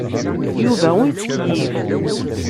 Yuba ur yettkeyyif.